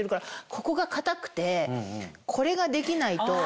ここが硬くてこれができないと。